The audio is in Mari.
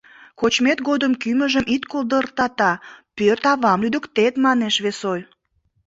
«Кочмет годым кӱмыжым ит колдыртата, пӧрт авам лӱдыктет», — манеш вес ой.